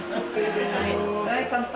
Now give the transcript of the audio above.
はい乾杯。